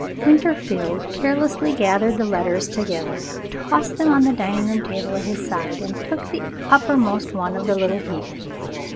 Winterfield carelessly gathered the letters together, tossed them on the dining table at his side, and took the uppermost one of the little heap.